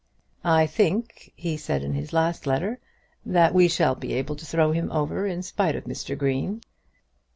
"I think," he said in his last letter, "that we shall be able to throw him over in spite of Mr. Green."